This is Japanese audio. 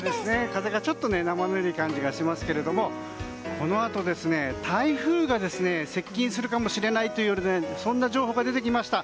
風がちょっと生ぬるい感じがしますけれどもこのあと台風が接近するかもしれないという情報が出てきました。